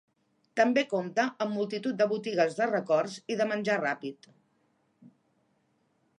També compta amb multitud de botigues de records i de menjar ràpid.